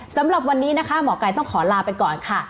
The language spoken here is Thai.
สำหรับวันนี้นะคะหมอไก่ต้องขอลาไปก่อนค่ะ